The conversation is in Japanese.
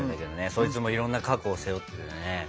そいつもいろんな過去を背負っててね。